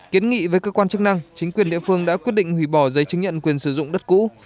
kiến nghị với cơ quan chức năng chính quyền địa phương đã quyết định hủy bỏ giấy chứng nhận quyền sử dụng đất cũ